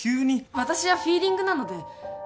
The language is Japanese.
私はフィーリングなので。